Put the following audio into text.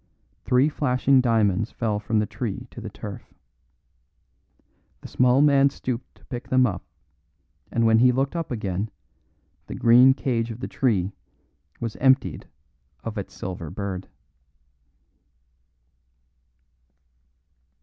Three flashing diamonds fell from the tree to the turf. The small man stooped to pick them up, and when he looked up again the green cage of the tree was emptied of its silver bird.